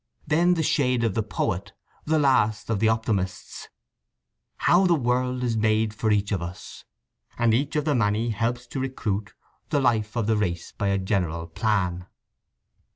Then the shade of the poet, the last of the optimists: How the world is made for each of us! And each of the Many helps to recruit The life of the race by a general plan.